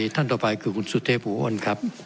ท่านต่อไปคือคุณสุเทพภูอ้นครับ